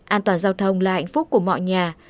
an toàn giao thông là hạnh phúc của mọi nhà